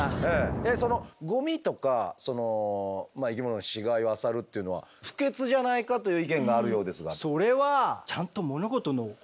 えっそのゴミとか生き物の死骸をあさるっていうのは不潔じゃないかという意見があるようですが？